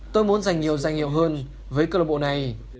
tôi muốn dành nhiều dành nhiều hơn với club này